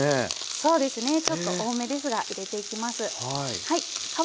そうですねちょっと多めですが入れていきます。